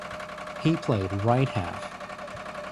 He played right half.